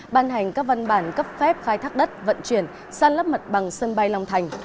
ban hành các văn bản cấp phép khai thác đất vận chuyển san lấp mặt bằng sân bay long thành